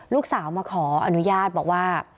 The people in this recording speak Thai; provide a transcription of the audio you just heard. ลูกสาวมาขออนุญาตบอกว่า